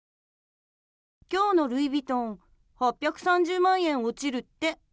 今日のルイ・ヴィトン８３０万円落ちるって。